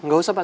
gak usah pak